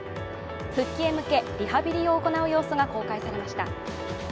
復帰へ向けリハビリを行う様子が公開されました。